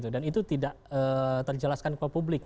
dan itu tidak terjelaskan ke publik